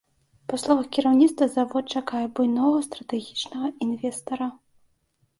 Па словах кіраўніцтва, завод чакае буйнога стратэгічнага інвестара.